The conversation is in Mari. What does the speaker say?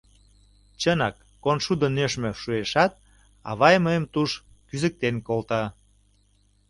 Чынак, коншудо нӧшмӧ шуэшат, авай мыйым туш кӱзыктен колта.